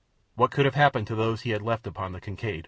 What could have happened to those he had left upon the Kincaid?